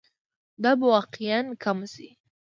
دا به واقعاً کمه شي.